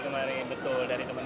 betul dari teman teman